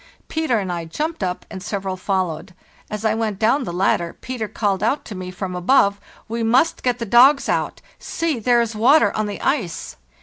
Peter and I jumped up and several followed. As I went down the ladder Peter called out to me from above: 'We must get the dogs out; see, there is water on the ice!